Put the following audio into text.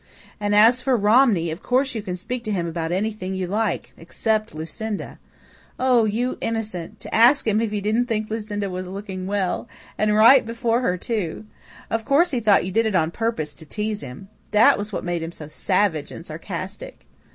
And, as for Romney, of course you can speak to him about anything you like except Lucinda. Oh, you innocent! To ask him if he didn't think Lucinda was looking well! And right before her, too! Of course he thought you did it on purpose to tease him. That was what made him so savage and sarcastic."